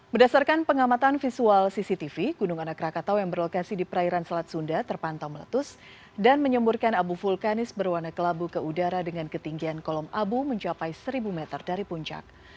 berdasarkan pengamatan visual cctv gunung anak rakatau yang berlokasi di perairan selat sunda terpantau meletus dan menyemburkan abu vulkanis berwarna kelabu ke udara dengan ketinggian kolom abu mencapai seribu meter dari puncak